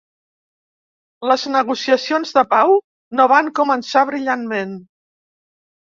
Les negociacions de pau no van començar brillantment.